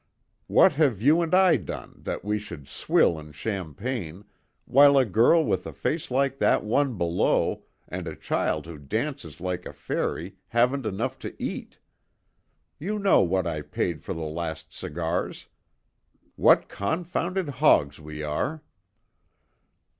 What have you and I done that we should swill in champagne, while a girl with a face like that one below and a child who dances like a fairy haven't enough to eat? You know what I paid for the last cigars. What confounded hogs we are!"